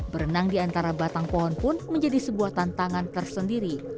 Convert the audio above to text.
berenang di antara batang pohon pun menjadi sebuah tantangan tersendiri